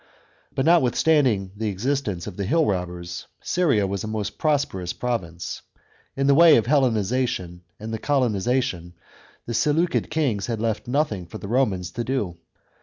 But notwithstanding the existence of the hill robbers, Syria was a most prosperous province. In the way of Hellenisa tion and colonisation the Seleucid kings had left nothing for the Romans to do.